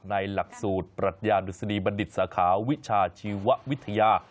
หลักสูตรปรัชญาดุษฎีบัณฑิตสาขาวิชาชีววิทยา